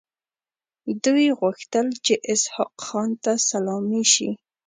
دوی غوښتل چې اسحق خان ته سلامي شي.